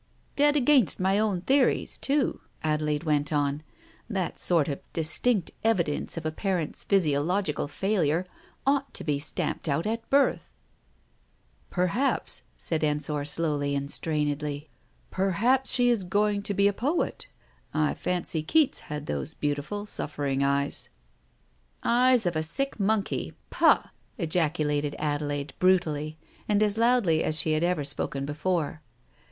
... "Dead against my own theories too," Adelaide went on. "That sort of distinct evidence of a parent's physio logical failure ought to be stamped out at birth." "Perhaps," said Ensor slowly and strainedly. "Per Digitized by Google 258 TALES OF THE UNEASY haps she is going to be a poet ? I fancy Keats had those beautiful suffering eyes." " Eyes of a sick monkey, pah !" ejaculated Adelaide, brutally, and as loudly as she had ever spoken before.